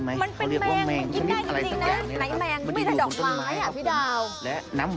มันเป็นแมงเขาเรียกว่าแมงชนิดอะไรสักแรกนี้นะครับ